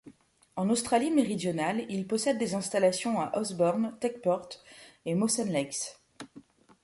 En Australie méridionale, il possède des installations à Osborne, Techport et Mawson Lakes.